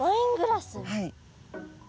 はい。